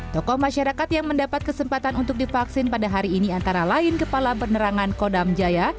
tokoh masyarakat yang mendapat kesempatan untuk divaksin pada hari ini antara lain kepala penerangan kodam jaya